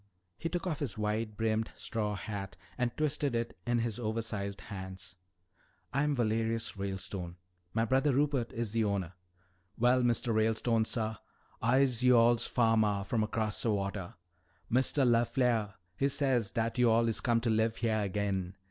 He took off his wide brimmed straw hat and twisted it in his oversized hands. "I'm Valerius Ralestone. My brother Rupert is the owner." "Well, Mistuh Ralestone, suh, I'se yo'all's fahmah from 'cross wata. Mistuh LeFleah, he says dat yo'all is come to live heah agin.